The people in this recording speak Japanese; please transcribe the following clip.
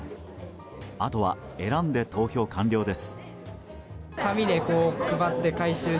あとは、選んで投票完了です。